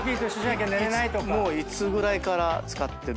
いつぐらいから使ってる。